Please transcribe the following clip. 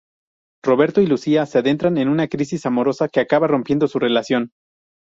Roberto y Lucía se adentran en una crisis amorosa que acaba rompiendo su relación.